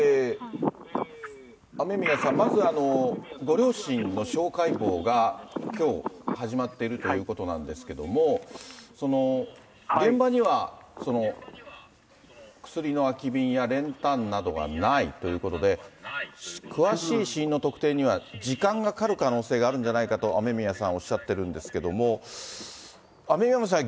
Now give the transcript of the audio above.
雨宮さん、まず、ご両親の司法解剖がきょう始まっているということなんですけれども、現場には、薬の空き瓶や練炭などがないということで、詳しい死因の特定には時間がかかる可能性があるんじゃないかと雨宮さん、おっしゃってるんですけれども、雨宮さん、